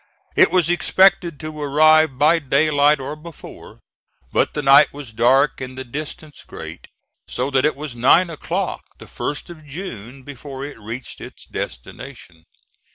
It was expected to arrive by daylight or before; but the night was dark and the distance great, so that it was nine o'clock the 1st of June before it reached its destination.